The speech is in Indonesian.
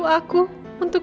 haris akan tahu